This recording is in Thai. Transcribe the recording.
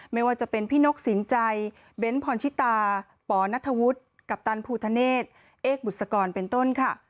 ไม่ว่าจะเป็นพี่นกสินใจเบ้นพรชิตาปอนัทธวุฒิกัปตันภูทะเนศเอกบุษกรเป็นต้นค่ะ